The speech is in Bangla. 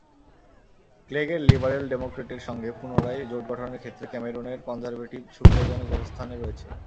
ক্লেগের লিবারেল ডেমোক্র্যাটসের সঙ্গে পুনরায় জোট গঠনের ক্ষেত্রে ক্যামেরনের কনজারভেটিভ সুবিধাজনক অবস্থানে রয়েছে।